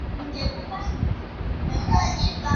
Wamatumbi huishi kwa kutegemea kilimo